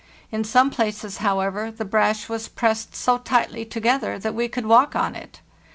In some places, however, the brash was pressed so tightly together that we could walk on it.